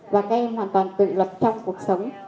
và các em hoàn toàn tự luật trong cuộc sống